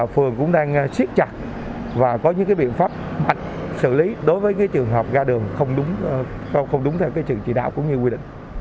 phường cũng đang siết chặt và có những biện pháp xử lý đối với trường hợp ra đường không đúng theo trường chỉ đạo cũng như quy định